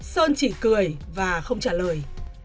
sơn chỉ cười và không trả lời